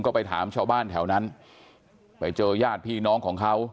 ก็ไปถามชาวบ้านแถวนั้นไปเจอญาติพี่น้องของเขา